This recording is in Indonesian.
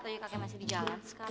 cepat aja kakek masih di jalan sekarang